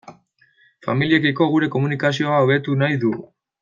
Familiekiko gure komunikazio hobetu nahi dugu.